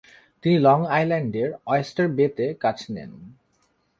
তিনি লং আইল্যান্ডের অয়ষ্টার বেতে কাজ নেন।